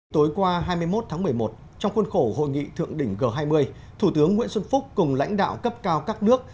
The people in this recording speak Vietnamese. tối qua hai mươi một tháng một mươi một trong khuôn khổ hội nghị thượng đỉnh g hai mươi thủ tướng nguyễn xuân phúc cùng lãnh đạo cấp cao các nước